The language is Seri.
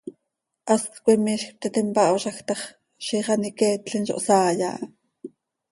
Hast coi miizj ptiti mpahoozaj ta x, ziix an iqueetlim zo hsaai aha.